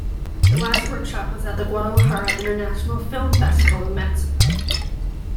The last workshop was at the Guadalajara International Film Festival in Mexico.